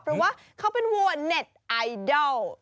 เพราะว่าเขาเป็นวัวเน็ตไอดอล